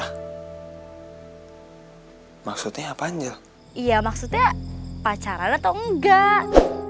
hai maksudnya apa anjel iya maksudnya pacaran atau enggak